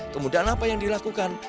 kemudian apa yang dilakukan